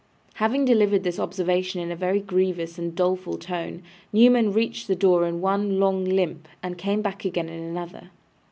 Having delivered this observation in a very grievous and doleful tone, Newman reached the door in one long limp, and came back again in another.